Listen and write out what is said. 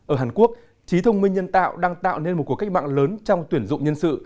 ở hàn quốc trí thông minh nhân tạo đang tạo nên một cuộc cách mạng lớn trong tuyển dụng nhân sự